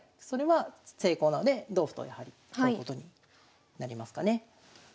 それは成功なので同歩とやはり取ることになりますかね。